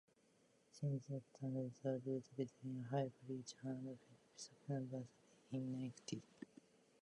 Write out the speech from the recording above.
Since that time, the route between High Bridge and Phillipsburg has been inactive.